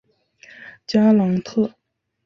加朗特。